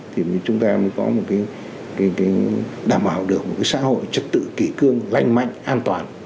thì chúng ta mới có một cái đảm bảo được một cái xã hội trật tự kỷ cương lanh mạnh an toàn